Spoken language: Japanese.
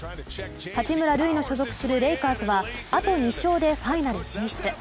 八村塁の所属するレイカーズはあと２勝でファイナル進出。